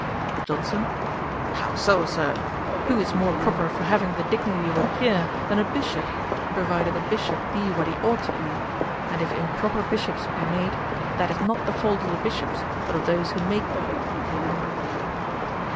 JOHNSON. 'How so, Sir? Who is more proper for having the dignity of a peer, than a Bishop, provided a Bishop be what he ought to be; and if improper Bishops be made, that is not the fault of the Bishops, but of those who make them.'